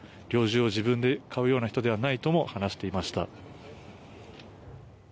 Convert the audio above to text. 猟銃を自分で買うような人ではないとも話していました。